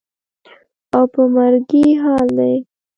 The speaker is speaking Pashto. او په مرګي حال دى.